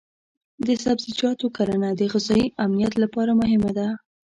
د سبزیجاتو کرنه د غذایي امنیت لپاره مهمه ده.